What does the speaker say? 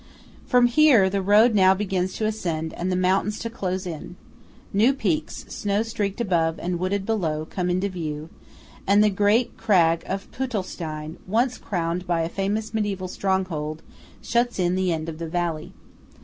From here the road now begins to ascend and the mountains to close in; new peaks, snow streaked above and wooded below, come into view; and the great crag of Peutelstein, once crowned by a famous mediæval strong hold, shuts in the end of the valley.